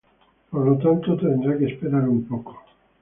Por lo tanto, tendrá que esperar un poco".